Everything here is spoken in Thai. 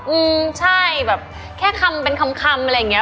อืมใช่แบบแค่คำเป็นคำคำอะไรอย่างเงี้